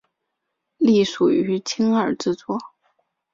隶属于青二制作。